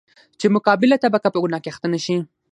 چـې مـقابله طبـقه پـه ګنـاه کـې اخـتـه نـشي.